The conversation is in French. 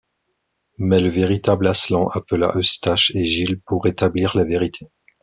Mais le véritable Aslan appela Eustache et Jill pour rétablir la vérité.